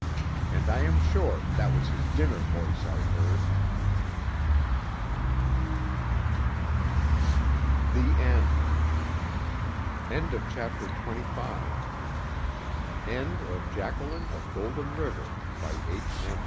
And I am sure that was his dinner voice I heard. THE END End of Project Gutenberg's Jacqueline of Golden River, by H. M.